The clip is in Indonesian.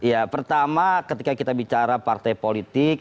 ya pertama ketika kita bicara partai politik